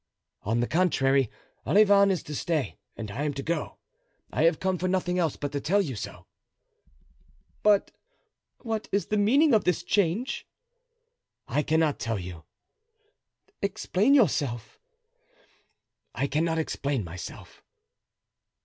"On the contrary, Olivain is to stay and I am to go. I have come for nothing else but to tell you so." "But what is the meaning of this change?" "I cannot tell you." "Explain yourself." "I cannot explain myself."